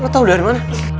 lu tau dari mana